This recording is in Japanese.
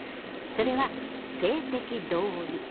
それは「性的同意」。